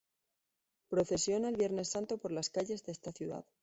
Procesiona el Viernes Santo por las calles de esta ciudad.